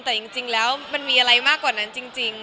แต่จริงแล้วมันมีอะไรมากกว่านั้นจริง